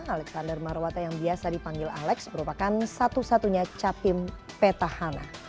alexander marwata yang biasa dipanggil alex merupakan satu satunya capim petahana